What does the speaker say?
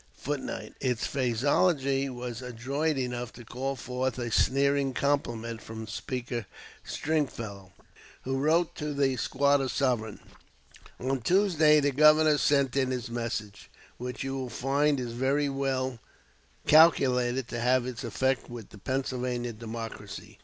[Footnote: Its phraseology was adroit enough to call forth a sneering compliment from Speaker Stringfellow, who wrote to the "Squatter Sovereign": "On Tuesday the Governor sent in his message, which you will find is very well calculated to have its effect with the Pennsylvania Democracy.